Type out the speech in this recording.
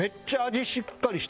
しっかりしてるね。